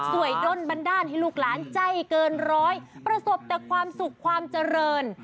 ด้นบันดาลให้ลูกหลานใจเกินร้อยประสบแต่ความสุขความเจริญ